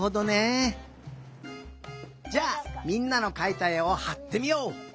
じゃあみんなのかいたえをはってみよう。